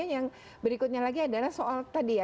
yang berikutnya lagi adalah soal tadi ya